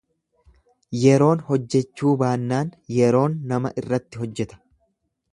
Yeroon hojjechuu baannaan yeroon nama irratti hojjeta.